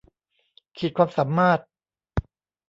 ขีดความสามารถ